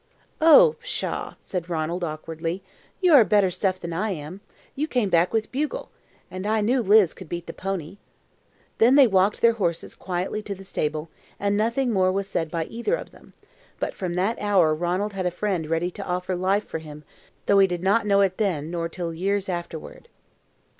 "Oh, pshaw!" said Ranald, awkwardly. "You are better stuff than I am. You came back with Bugle. And I knew Liz could beat the pony." Then they walked their horses quietly to the stable, and nothing more was said by either of them; but from that hour Ranald had a friend ready to offer life for him, though he did not know it then nor till years afterward.